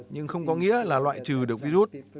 nhưng không có nghĩa là loại trừ được virus